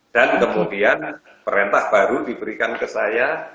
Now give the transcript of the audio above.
dan kemudian perintah baru diberikan ke saya